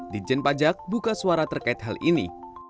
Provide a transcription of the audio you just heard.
dijen pajak buka suara terkait hal ini